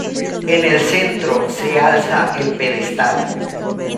En el centro, se alza el pedestal.